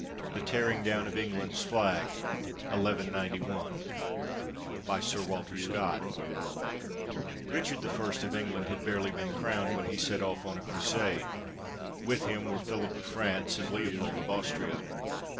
THE TEARING DOWN OF ENGLAND'S FLAG [1191I BY SIR WALTER SCOTT [Richard I of England had barely been crowned when he set off on a crusade. With him were PhiUp of France and Leopold of Austria.